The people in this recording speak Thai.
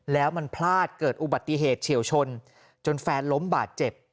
แล้วมันพลาดเกิดอุบัติเหตุเฉียวชนจนแฟนล้มบาดเจ็บ